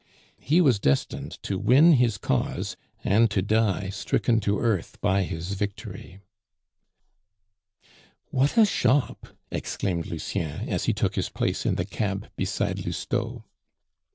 He was destined to win his cause and to die stricken to earth by his victory. "What a shop!" exclaimed Lucien, as he took his place in the cab beside Lousteau.